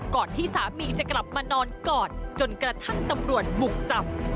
ที่สามีจะกลับมานอนกอดจนกระทั่งตำรวจบุกจับ